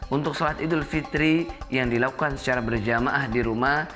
untuk sholat idul fitri yang dilakukan secara berjamaah di rumah